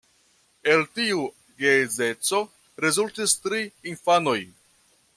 El tiu geedzeco rezultis tri infanoj.